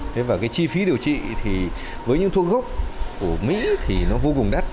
thế và cái chi phí điều trị thì với những thuốc gốc của mỹ thì nó vô cùng đắt